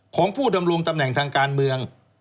ของผู้ดำรงตำแหน่งทางการเมือง